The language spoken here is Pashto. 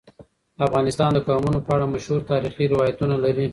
افغانستان د قومونه په اړه مشهور تاریخی روایتونه لري.